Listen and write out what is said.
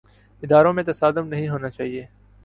اداروں میں تصادم نہیں ہونا چاہیے۔